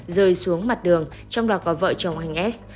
rơi xuống mặt đường trong đó có vợ chồng anh s